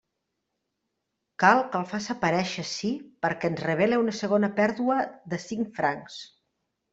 Cal que el faça aparèixer ací perquè ens revele una segona pèrdua de cinc francs.